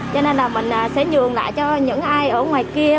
cho nên là mình sẽ nhường lại cho những ai ở ngoài kia